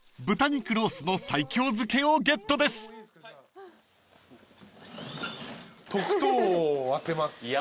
豚肉ロースの西京漬けをゲットです］